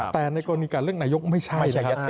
แต่ในกรณีการเลือกนายกไม่ใช่ยัตติ